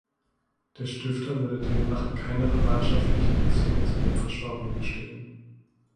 Der Stifter würde demnach in keiner verwandtschaftlichen Beziehung zu dem Verstorbenen stehen.